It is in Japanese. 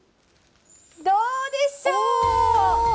どうでしょう。